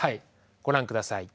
ご覧ください。